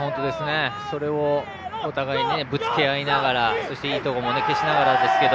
それをお互いにぶつけ合いながらそして、いいところも消しながらですけど。